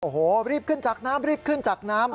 โอ้โหรีบขึ้นจากน้ำรีบขึ้นจากน้ำ